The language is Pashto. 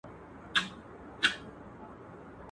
گل د کډو گل دئ، چي يو پورته کوې تر لاندي بل دئ.